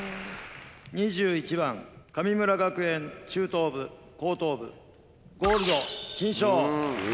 ２１番神村学園中等部・高等部、ゴールド金賞。